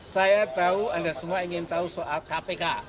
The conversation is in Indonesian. saya tahu anda semua ingin tahu soal kpk